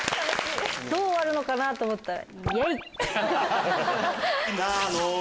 どう終わるのかなと思ったら。